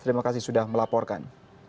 terima kasih sudah melaporkan